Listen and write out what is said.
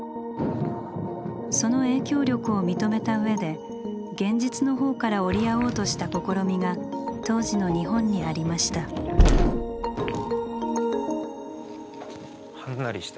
その影響力を認めた上で現実の方から折り合おうとした試みが当時の日本にありました。